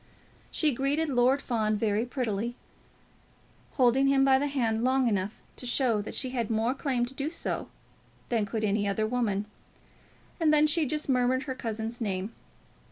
She greeted Lord Fawn very prettily, holding him by the hand long enough to show that she had more claim to do so than could any other woman, and then she just murmured her cousin's name.